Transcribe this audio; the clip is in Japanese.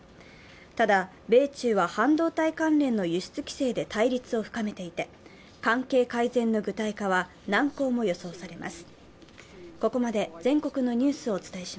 ただ、米中は半導体関連の輸出規制で対立を深めていて関係改善の具体化は難航も予想されます。